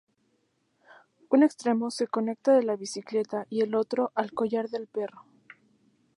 Un extremo se conecta a la bicicleta y el otro al collar del perro.